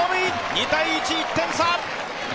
２−１、１点差！